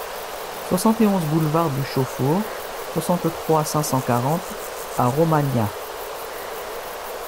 soixante et onze boulevard du Chauffour, soixante-trois, cinq cent quarante à Romagnat